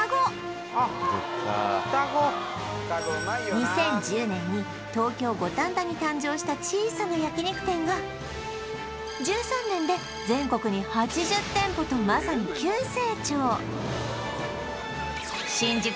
２０１０年に東京五反田に誕生した小さな焼肉店が１３年で全国に８０店舗とまさに急成長